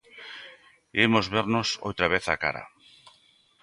Imos vernos outra vez a cara.